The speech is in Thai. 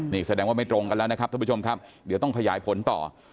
นี่แสดงว่าไม่ตรงกันแล้วนะครับท่านผู้ชมครับเดี๋ยวต้องขยายผลต่อ